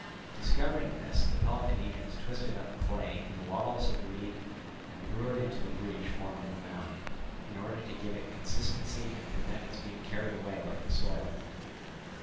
Discovering this the Peloponnesians twisted up clay in wattles of reed and threw it into the breach formed in the mound, in order to give it consistency and prevent its being carried away like the soil.